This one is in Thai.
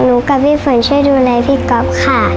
กับพี่ฝนช่วยดูแลพี่ก๊อฟค่ะ